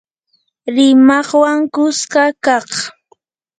rimaqwan kuska kaq